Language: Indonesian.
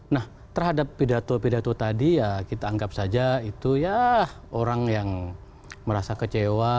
nah terhadap pidato pidato tadi ya kita anggap saja itu ya orang yang merasa kecewa